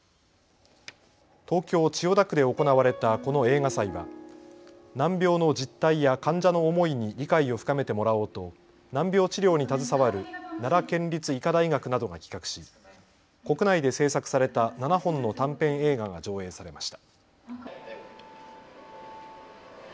東京千代田区で行われたこの映画祭は難病の実態や患者の思いに理解を深めてもらおうと難病治療に携わる奈良県立医科大学などが企画し国内で製作された７本の短編映画が上映されました。